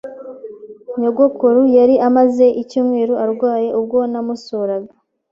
Nyogokuru yari amaze icyumweru arwaye ubwo namusuraga.